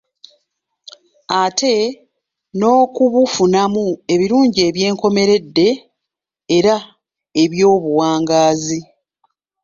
Ate n'okubufunamu ebirungi eby'enkomeredde era eby'obuwangaazi.